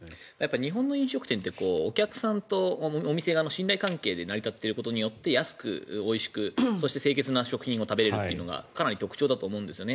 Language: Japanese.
日本の飲食店ってお客さんとお店側の信頼関係で成り立っていることによって安く、おいしくそして、清潔な食品を食べられるというのがかなり特徴だと思うんですね。